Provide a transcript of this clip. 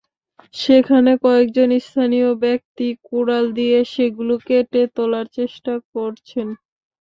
সেখানে কয়েকজন স্থানীয় ব্যক্তি কুড়াল দিয়ে সেগুলো কেটে তোলার চেষ্টা করছেন।